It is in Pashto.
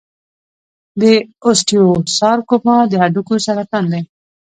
د اوسټیوسارکوما د هډوکو سرطان دی.